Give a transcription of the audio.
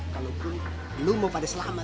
kalaupun lu mau pada selamat